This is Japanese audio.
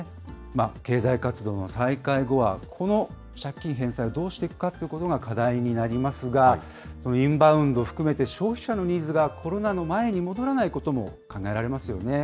経済活動の再開後は、この借金返済をどうしていくかということが課題になりますが、インバウンドを含めて、消費者のニーズがコロナの前に戻らないことも考えられますよね。